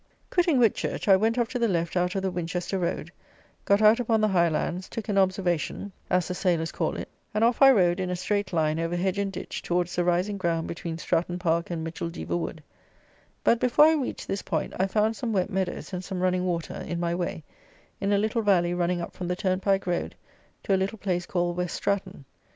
Quitting Whitchurch, I went off to the left out of the Winchester road, got out upon the high lands, took an "observation," as the sailors call it, and off I rode, in a straight line, over hedge and ditch, towards the rising ground between Stratton Park and Micheldever Wood; but, before I reached this point, I found some wet meadows and some running water in my way in a little valley running up from the turnpike road to a little place called West Stratton.